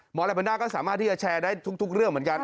แรมด้าก็สามารถที่จะแชร์ได้ทุกเรื่องเหมือนกัน